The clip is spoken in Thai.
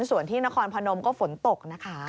ส่วนที่นครพนมก็ฝนตกนะคะ